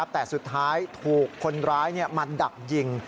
แต่สุดท้ายถูกคนร้ายมาดักยิง